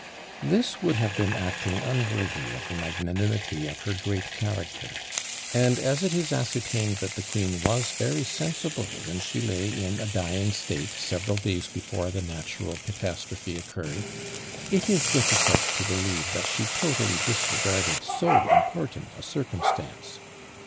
This would have been acting unworthy of the magnanimity of her great character and as it is ascertained that the queen was very sensible that she lay in a dying state several days before the natural catastrophe occurred, it is difficult to believe that she totally disregarded so important a circumstance.